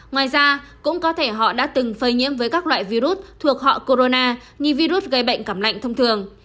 ngoài ra cũng có thể họ đã từng phơi nhiễm với các loại virus thuộc họ corona như virus gây bệnh cảm lạnh thông thường